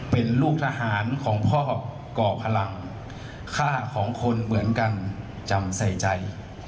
เป็นลูกทหารของพ่อก่อพลังค่าของคนเหมือนกันจำใส่ใจ